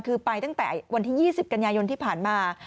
คือไปตั้งแต่วันที่๒๐กันยายนที่ผ่านมา